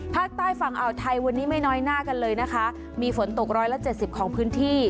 ภาคใต้ฝั่งอ่าวไทยวันนี้ไม่น้อยหน้ากันเลยนะคะมีฝนตกร้อยละเจ็ดสิบของพื้นที่